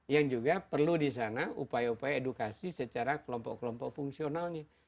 yang juga perlu di sana upaya upaya edukasi secara kelompok kelompok fungsionalnya